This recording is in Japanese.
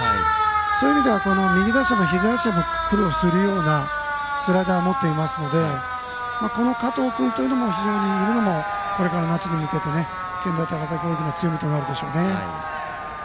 そういう意味では右打者も左打者も苦労するようなスライダーを持っていますのでこの加藤君というのもこれから夏に向けて健大高崎大きな強みとなるでしょうね。